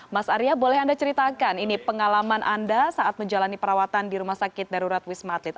mas arya boleh anda ceritakan ini pengalaman anda saat menjalani perawatan di rumah sakit darurat wisma atlet